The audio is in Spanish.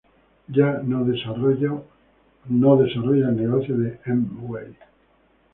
Ya no desarrolla el negocio de Amway.